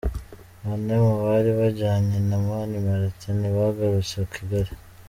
Bane mu bari bajyanye na Mani Martin ntibagarutse i Kigali.